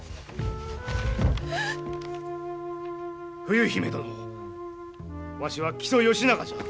冬姫殿わしは木曽義仲じゃ。